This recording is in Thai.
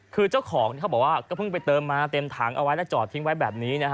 คือเจ้าของเขาบอกว่าก็เพิ่งไปเติมมาเต็มถังเอาไว้แล้วจอดทิ้งไว้แบบนี้นะฮะ